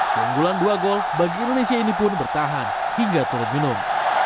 keunggulan dua gol bagi indonesia ini pun bertahan hingga turun minum